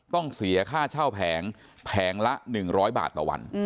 ต้องเสียค่าเช่าแผงแผงละ๑๐๐บาทต่อวัน